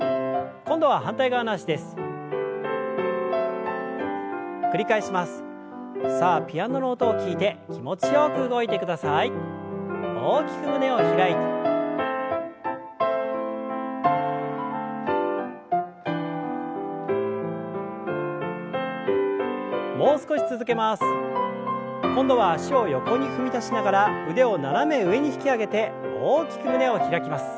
今度は脚を横に踏み出しながら腕を斜め上に引き上げて大きく胸を開きます。